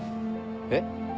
えっ？